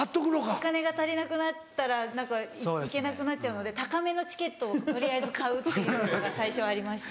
お金が足りなくなったら行けなくなっちゃうので高めのチケットを取りあえず買うっていうのが最初はありました。